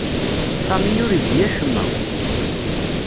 Sami ur igi acemma.